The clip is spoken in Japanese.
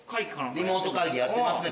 リモート会議やってますね。